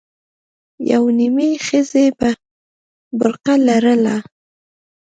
يوې نيمې ښځې به برقه لرله.